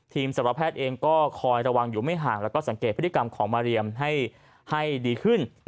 สรแพทย์เองก็คอยระวังอยู่ไม่ห่างแล้วก็สังเกตพฤติกรรมของมาเรียมให้ดีขึ้น